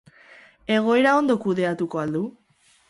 Egoera ondo kudeatuko al du?